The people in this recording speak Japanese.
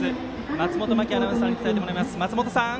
松本真季アナウンサーに伝えてもらいます。